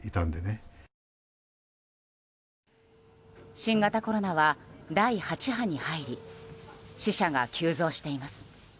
新型コロナは第８波に入り死者が急増しています。